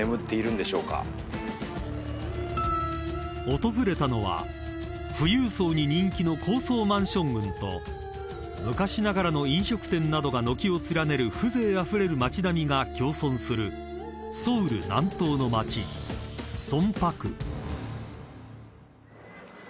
［訪れたのは富裕層に人気の高層マンション群と昔ながらの飲食店などが軒を連ねる風情あふれる街並みが共存するソウル南東の街松坡区］